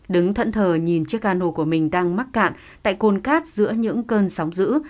đứng thận thờ nhìn chiếc cano của mình đang mắc cạn tại cồn cát giữa những cơn sóng dữ